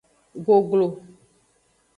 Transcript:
Goglo.